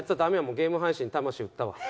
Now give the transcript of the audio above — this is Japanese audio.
もうゲーム配信に魂売ったわ」